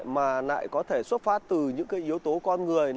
mà lại có thể xuất phát từ những yếu tố con người